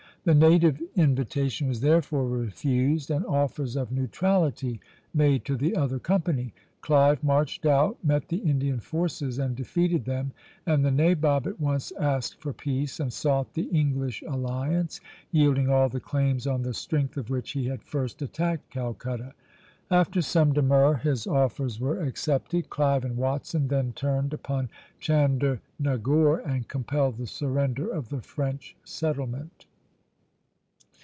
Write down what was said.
The native invitation was therefore refused, and offers of neutrality made to the other company. Clive marched out, met the Indian forces and defeated them, and the nabob at once asked for peace, and sought the English alliance, yielding all the claims on the strength of which he had first attacked Calcutta. After some demur his offers were accepted. Clive and Watson then turned upon Chandernagore and compelled the surrender of the French settlement.